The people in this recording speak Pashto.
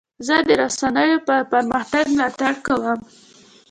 زه د رسنیو د پرمختګ ملاتړ کوم.